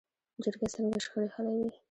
جرګه څنګه شخړې حلوي؟